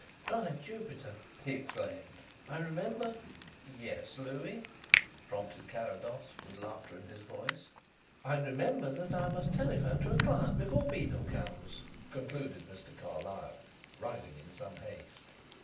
"By Jupiter!" he exclaimed. "I remember " "Yes, Louis?" prompted Carrados, with laughter in his voice. "I remember that I must telephone to a client before Beedel comes," concluded Mr. Carlyle, rising in some haste.